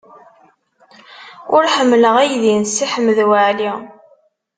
Ur ḥemmleɣ aydi n Si Ḥmed Waɛli.